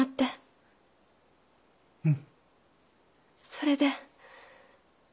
それで。